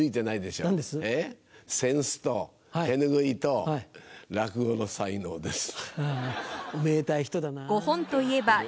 扇子と手拭いと落語の才能です。